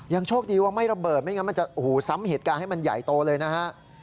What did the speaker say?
โชคดีว่าไม่ระเบิดไม่งั้นมันจะซ้ำเหตุการณ์ให้มันใหญ่โตเลยนะฮะ